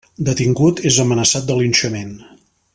Detingut, és amenaçat de linxament.